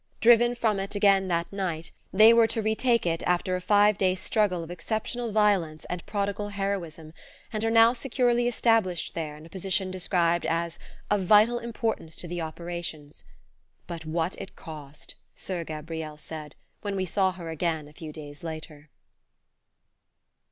Driven from it again that night, they were to retake it after a five days' struggle of exceptional violence and prodigal heroism, and are now securely established there in a position described as "of vital importance to the operations." "But what it cost!" Soeur Gabrielle said, when we saw her again a few days later.